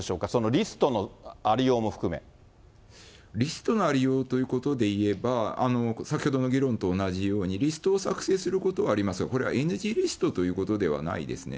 リストのありようリストのありようということで言えば、先ほどの議論と同じように、リストを作成することはありますよ、これはＮＧリストということではないですね。